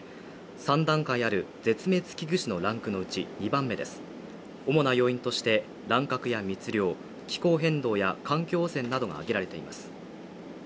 ３段階ある絶滅危惧種のランクのうち２番目です主な要因として乱獲や密漁気候変動や環境汚染などが挙げられています